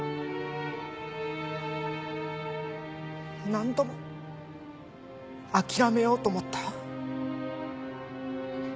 何度も諦めようと思った。